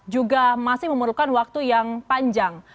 juga masih memerlukan waktu yang panjang